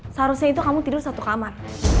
seharusnya itu kamu tidur satu kamar